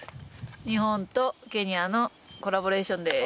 日本とケニアのコラボレーションです